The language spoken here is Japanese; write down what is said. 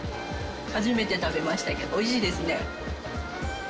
初めて食べましたけどおいしいですね。